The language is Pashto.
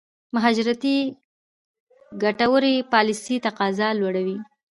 مهاجرتي ګټورې پالېسۍ تقاضا لوړوي.